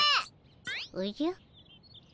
おじゃ？